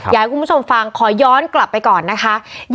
อยากให้คุณผู้ชมฟังขอย้อนกลับไปก่อนนะคะ